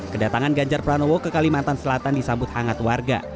kedatangan ganjar pranowo ke kalimantan selatan disambut hangat warga